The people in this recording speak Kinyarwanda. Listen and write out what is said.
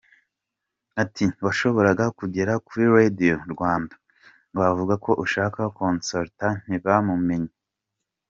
Ati “Washoboraga kugera kuri Radio Rwanda wavuga ko ushaka Consolata ntibamumenye.